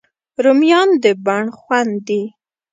رومیان د بڼ خوند دي